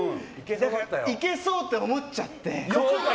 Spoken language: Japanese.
いけそうって思っちゃって。